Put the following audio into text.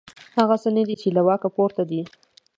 هغه څه نه دي چې له واک پورته دي.